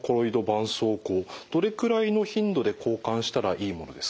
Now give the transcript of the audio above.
そうこうどれくらいの頻度で交換したらいいものですか？